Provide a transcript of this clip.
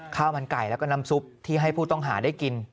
ข้าวมันไก่แล้วก็น้ำซุปที่ให้ผู้ต้องหาได้กิน